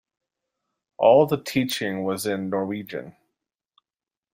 All the teaching was in Norwegian.